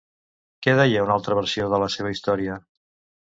Què deia una altra versió de la seva història?